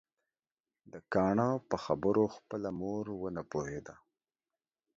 د کاڼه په خبرو خپله مور ونه پوهيده